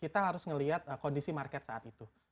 kita harus melihat kondisi market saat itu